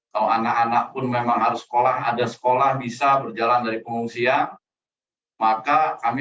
kalau anak anak pun memang harus sekolah ada sekolah bisa berjalan dari pengungsian maka kami